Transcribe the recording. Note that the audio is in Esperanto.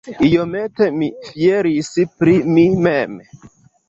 Iomete mi fieris pri mi mem!